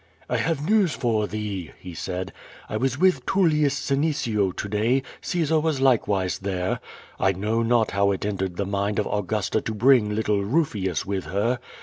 "I have news for thee," he s^id. "1 was with Tullius Sene cio to day, Caesar was likewise there. I know not how it en tered the mind of Augusta to bring little Rufius with her.